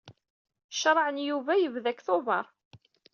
Creɛ n Yuba yebda deg Tubeṛ.